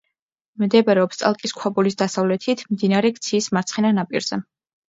მდებარეობს წალკის ქვაბულის დასავლეთით, მდინარე ქციის მარცხენა ნაპირზე.